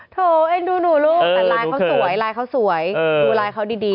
โถเอ็นดูหนูลูกแต่ไลน์เขาสวยไลน์เขาสวยดูไลน์เขาดี